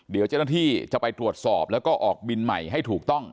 เดี๋ยวเจ้าหน้าที่จะไปตรวจสอบแล้วก็ออกบินใหม่ให้ถูกต้อง